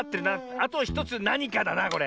あと１つなにかだなこれ。